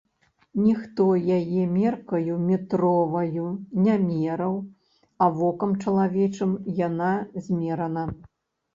Ніхто яе меркаю метроваю не мераў, а вокам чалавечым яна змерана.